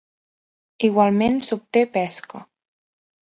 Igualment s'obté pesca.